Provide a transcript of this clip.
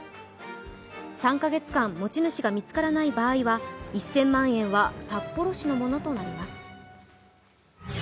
３か月間持ち主が見つからない場合は、１０００万円は札幌市のものとなります。